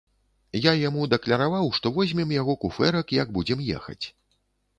Я яму дакляраваў, што возьмем яго куфэрак, як будзем ехаць.